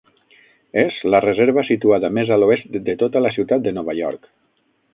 És la reserva situada més a l"oest de tota la ciutat de Nova York.